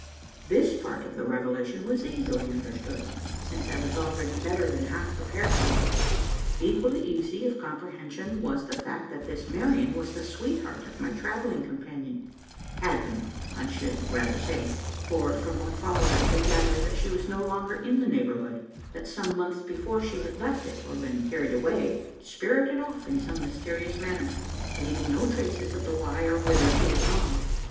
This part of the revelation was easily understood: since I was already better than half prepared for it. Equally easy of comprehension was the fact, that this Marian was the sweetheart of my travelling companion had been, I should rather say; for, from what followed, I could gather that she was no longer in the neighbourhood; that some months before she had left it, or been carried away spirited off in some mysterious manner, leaving no traces of the why or whither she had gone.